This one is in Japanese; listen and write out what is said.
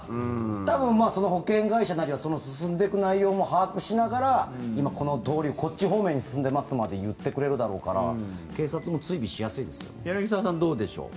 多分、その保険会社なりは進んでいく内容も把握しながら今、この通りをこっち方面に進んでいますまで言ってくれるだろうから警察も追尾しやすいですよね。